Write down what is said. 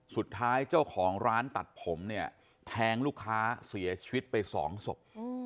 สุดท้ายเจ้าของร้านตัดผมเนี่ยแทงลูกค้าเสียชีวิตไปสองศพ